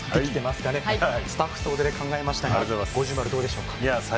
スタッフ総出で考えましたが五重丸、どうでしょうか？